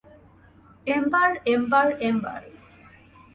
Ember, ember, ember.